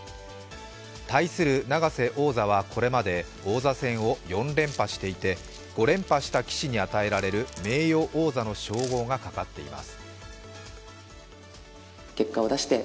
対する永瀬王座は、これまで王座戦を４連覇していて、５連覇した棋士に与えられる名誉王座の称号がかかっています。